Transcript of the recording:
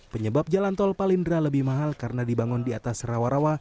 penyebab jalan tol palindra lebih mahal karena dibangun di atas rawa rawa